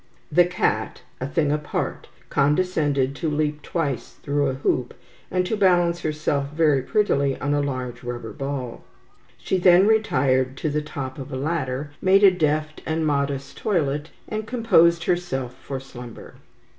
The cat, a thing apart, condescended to leap twice through a hoop, and to balance herself very prettily on a large rubber ball. She then retired to the top of a ladder, made a deft and modest toilet, and composed herself for slumber.